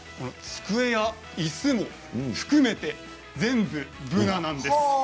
机やいすも含めて全部ブナなんです。